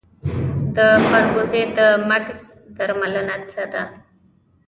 د خربوزې د مګس درملنه څه ده؟